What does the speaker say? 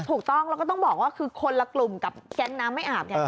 ถูกต้องแล้วก็ต้องบอกว่าคือคนละกลุ่มกับแก๊งน้ำไม่อาบไง